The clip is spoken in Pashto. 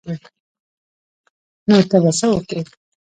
نو ته به څه وکې.